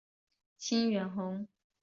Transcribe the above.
清远侯。